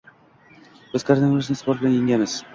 Biz koronavirusni sport bilan yengamiz!